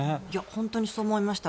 本当にそう思いました。